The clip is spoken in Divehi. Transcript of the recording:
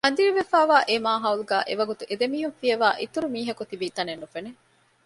އަނދިރިވެފައިވާ އެ މާހައުލުގައި އެވަގުތު އެދެމީހުން ފިޔަވާ އިތުރު މީހަކު ތިބިތަނެއް ނުފެނެ